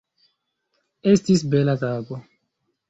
Esits bela tago.